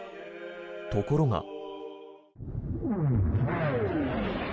ところが。